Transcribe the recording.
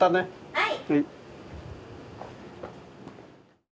はい。